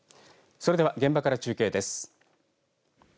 それでは現場から中継です。